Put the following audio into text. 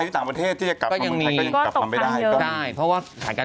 ใช่วันนี้วันแรกค่ะ